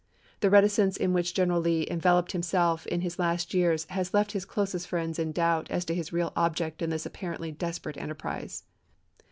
The reticence in which General Lee enveloped himself in his last years has left his closest friends in doubt as to his real object in this apparently desperate enterprise.